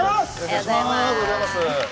おはようございます。